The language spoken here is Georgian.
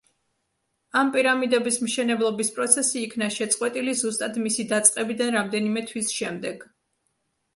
ამ პირამიდების მშენებლობის პროცესი იქნა შეწყვეტილი ზუსტად მისი დაწყებიდან რამდენიმე თვის შემდეგ.